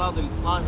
dan berterima kasih